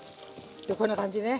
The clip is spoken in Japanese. こんな感じね。